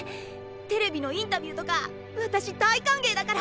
テレビのインタビューとか私大歓迎だから！